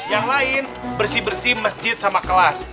yang lain bersih bersih masjid sama kelas